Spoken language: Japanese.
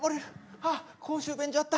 あっ公衆便所あった。